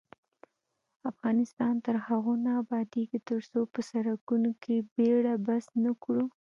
افغانستان تر هغو نه ابادیږي، ترڅو په سرکونو کې بیړه بس نکړو.